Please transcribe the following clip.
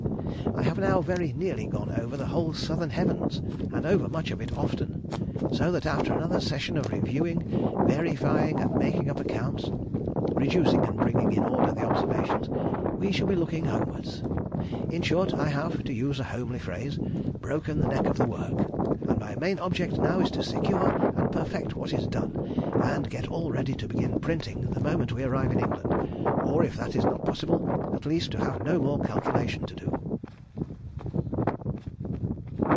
I have now very nearly gone over the whole southern heavens, and over much of it often. So that after another season of reviewing, verifying, and making up accounts (reducing and bringing in order the observations) we shall be looking homewards. In short, I have, to use a homely phrase, broken the neck of the work, and my main object now is to secure and perfect what is done, and get all ready to begin printing the moment we arrive in England; or, if that is not possible, at least to have no more calculation to do....